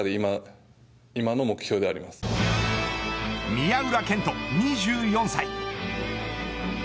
宮浦健人２４歳。